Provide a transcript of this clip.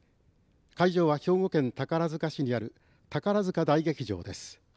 会場は兵庫県宝塚市にある宝塚大劇場です。